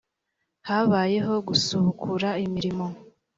habayeho gusubukura imirimo